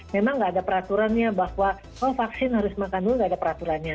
memang nggak ada peraturannya bahwa oh vaksin harus makan dulu nggak ada peraturannya